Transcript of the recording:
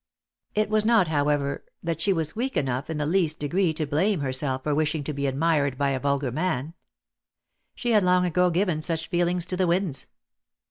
It was not, however, that she was weak enough in the least de gree to blame herself for wishing to be admired by a vulgar man. She had long ago given such feelings to the winds.